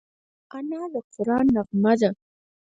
انا د قرآن نغمه ده